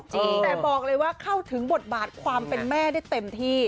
แต่บอกเลยว่าเข้าถึงบทบาทความเป็นแม่ได้เต็มที่